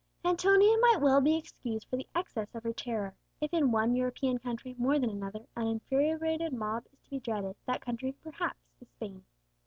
Antonia might well be excused for the excess of her terror. If in one European country more than another an infuriated mob is to be dreaded, that country, perhaps, is Spain.